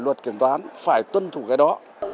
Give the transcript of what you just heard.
luật kiểm toán phải tuân thủ cái đó